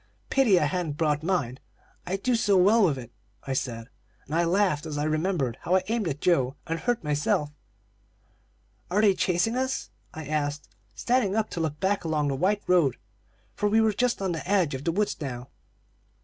"'Pity I hadn't brought mine I do so well with it,' I said, and I laughed as I remembered how I aimed at Joe and hurt myself. "'Are they chasing us?' I asked, standing up to look back along the white road, for we were just on the edge of the woods now.